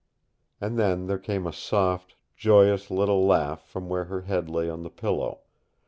And then there came a soft, joyous little laugh from where her head lay on the pillow.